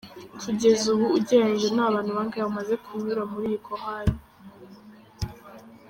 Kugeza ubu ugereranije ni abantu bangahe bamaze kunyura muri iyi korali ?.